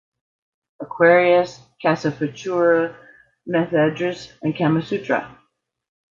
Aquarius, Casa Futura, Methedras and Kama Sutra.